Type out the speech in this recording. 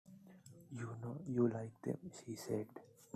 “You know you like them,” she said.